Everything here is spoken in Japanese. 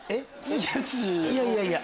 いやいやいや。